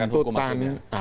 penegakan hukum maksudnya